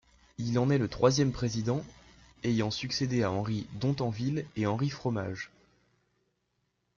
Il en est le troisième président, ayant succédé à Henri Dontenville et Henri Fromage.